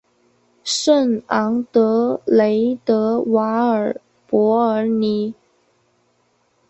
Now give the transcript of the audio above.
圣昂德雷德瓦尔博尔尼。